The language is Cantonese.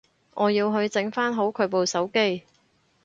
我要去整返好佢部手機